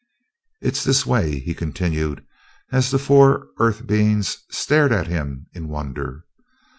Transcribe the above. "It's this way," he continued, as the four earth beings stared at him in wonder.